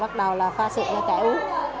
bắt đầu là pha sữa cho trẻ uống